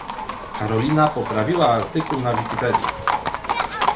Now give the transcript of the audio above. Karolina poprawiła artykuł na Wikipedii.